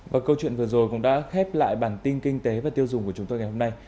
và câu chuyện vừa rồi cũng đã khép lại bản tin kinh tế và tiêu dùng của chúng tôi ngày hôm nay